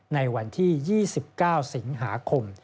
ในวันที่๒๙สิงหาคม